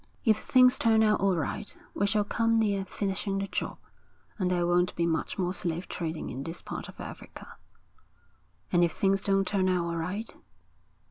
'If things turn out all right, we shall come near finishing the job, and there won't be much more slave trading in this part of Africa.' 'And if things don't turn out all right?'